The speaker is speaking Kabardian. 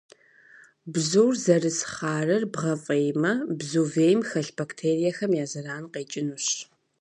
Бзур зэрыс хъарыр бгъэфӏеймэ, бзу вейм хэлъ бактериехэм я зэран къекӏынущ.